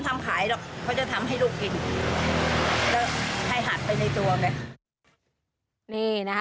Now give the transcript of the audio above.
ทำเนี่ย